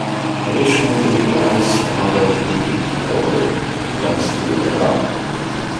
Additionally, the new Addis Ababa-Djibouti Railway runs through Adama.